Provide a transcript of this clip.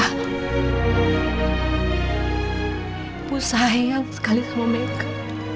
ibu sayang sekali sama meka